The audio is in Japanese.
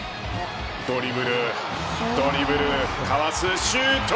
ドリブルドリブルかわす、シュート。